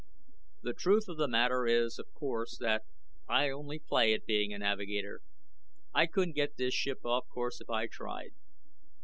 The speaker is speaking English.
"The truth of the matter is, of course, that I only play at being a navigator. I couldn't get this ship off course, if I tried.